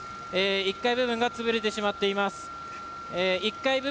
１階部分が潰れてしまっています。